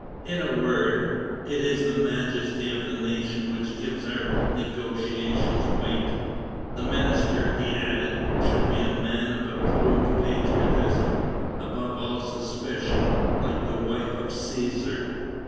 In a word, it is the majesty of the nation which gives our negotiations weight. The minister," he added, "should be a man of approved patriotism, above all suspicion, like the wife of Cæsar.